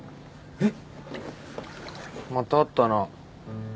えっ？